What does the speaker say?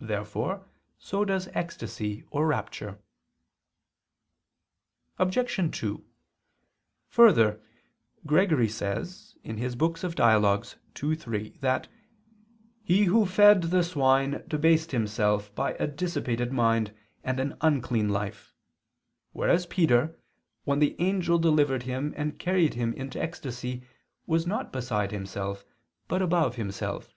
Therefore so does ecstasy or rapture. Obj. 2: Further, Gregory says (Dial. ii, 3) that "he who fed the swine debased himself by a dissipated mind and an unclean life; whereas Peter, when the angel delivered him and carried him into ecstasy, was not beside himself, but above himself."